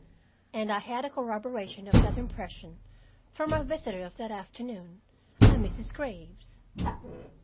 And I had a corroboration of that impression from my visitor of that afternoon, a Mrs. Graves.